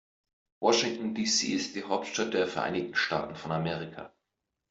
Washington, D.C. ist die Hauptstadt der Vereinigten Staaten von Amerika.